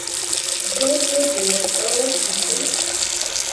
George O'Brien, Earl of Egremont.